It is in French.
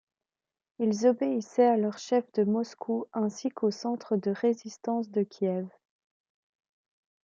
Ils obéissaient à leurs chefs de Moscou ainsi qu'au centre de résistance de Kiev.